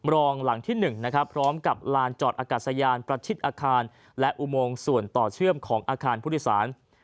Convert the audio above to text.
รองหลังที่๑นะครับพร้อมกับลานจอดอากาศยานประชิดอาคารและอุโมงส่วนต่อเชื่อมของอาคารผู้โดยสาร